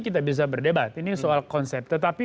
kita bisa berdebat ini soal konsep tetapi